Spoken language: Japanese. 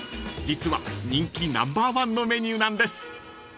実は人気ナンバーワンのメニューなんです］